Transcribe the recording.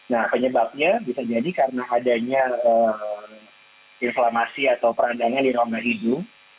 nah penyebabnya bisa jadi karena adanya inflamasi atau peradangan di rongga hidung